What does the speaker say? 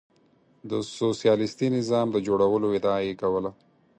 د سوسیالیستي نظام د جوړولو ادعا یې کوله.